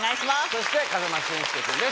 そして風間俊介君です。